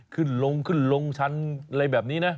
ขึ้นลงขึ้นลงชั้นอะไรแบบนี้นะ